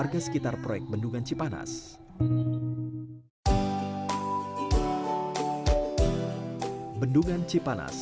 upas di mana acaranya yetodromo adalah penduduk lainnya